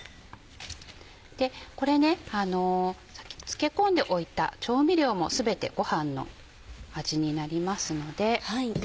でこれね漬け込んでおいた調味料も全てご飯の味になりますので。